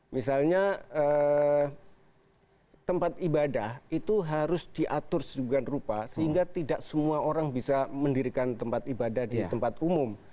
misalnya tempat ibadah itu harus diatur sedemikian rupa sehingga tidak semua orang bisa mendirikan tempat ibadah di tempat umum